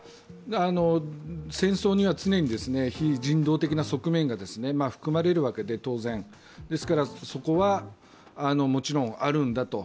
戦争には常に非人道的な側面が当然含まれるわけでですから、そこはもちろんあるんだと。